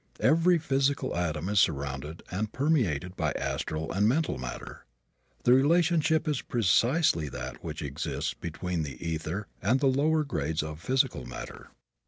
Every physical atom is surrounded and permeated by astral and mental matter. The relationship is precisely that which exists between the ether and the lower grades of physical matter.